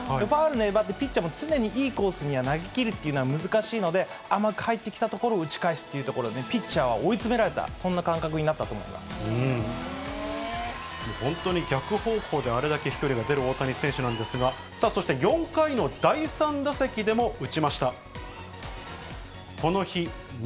ファウルで粘って、ピッチャーに常にいいコースには投げきるっていうのは難しいので、甘く入ってきたところを打ち返すっていうところ、ピッチャーは追い詰められた、本当に逆方向であれだけ飛距離が出る大谷選手なんですが、そして４回の第３打席でも、打ちました。